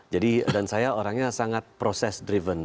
jadi dan saya orangnya sangat proses driven